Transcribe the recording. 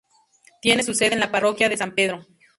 Tiene su sede en la parroquia de San Pedro.